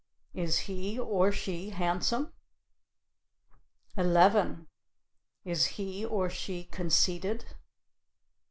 Is he or she handsome? 11. Is he or she conceited?